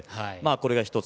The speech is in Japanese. これが１つ。